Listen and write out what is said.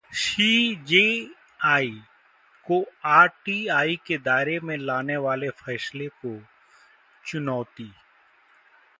CJI को RTI के दायरे में लाने वाले फैसले को चुनौती